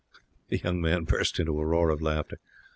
The young man burst into a roar of laughter.